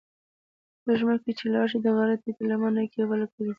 لږ مخکې چې لاړ شې د غره ټیټه لمنه کې یوه بله کلیسا ده.